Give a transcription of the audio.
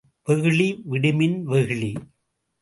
வெகுளி விடுமின் வெகுளி!